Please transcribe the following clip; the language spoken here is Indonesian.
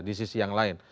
di sisi yang lain